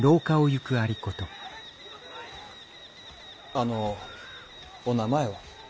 あのお名前は。